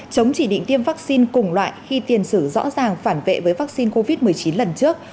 chống chỉ định tiêm vaccine cùng loại khi tiền sử rõ ràng phản vệ với vaccine covid một mươi chín lần trước